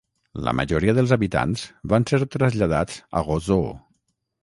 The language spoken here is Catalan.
La majoria dels habitants van ser traslladats a Roseau.